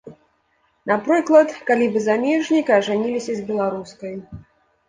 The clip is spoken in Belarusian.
Напрыклад, калі вы замежнік і ажаніліся з беларускай.